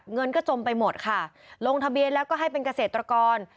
เงินก็จมไปหมดค่ะลงทะเบียนแล้วก็ให้เป็นเกษตรกร